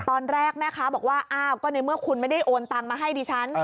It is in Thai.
ตอนแรกแม่ค้าบอกว่าอ้าวก็ในเมื่อคุณไม่ได้โอนตังมาให้ดิฉัน